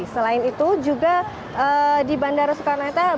selain itu juga di bandar rukun nahara